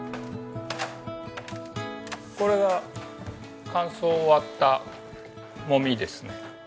これが乾燥終わったもみですね。